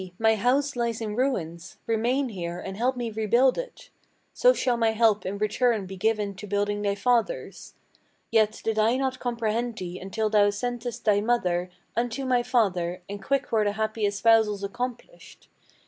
my house lies in ruins: remain here and help me rebuild it; So shall my help in return be given to building thy father's.' Yet did I not comprehend thee until thou sentest thy mother Unto my father, and quick were the happy espousals accomplished.